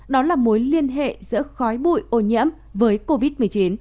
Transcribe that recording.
đó là mối liên hệ giữa khói bụi ô nhiễm với covid một mươi chín